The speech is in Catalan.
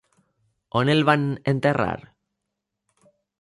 On el van enterrar?